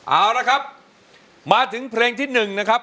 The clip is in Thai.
เอาละครับมาถึงเพลงที่๑นะครับ